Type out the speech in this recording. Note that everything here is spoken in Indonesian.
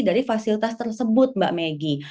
dari fasilitas tersebut mbak meggy